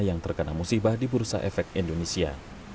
yang terkena musibah di bursa efek indonesia